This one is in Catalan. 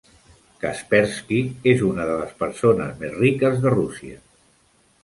Kaspersky és una de les persones més riques de Rússia.